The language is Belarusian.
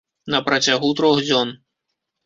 На працягу трох дзён.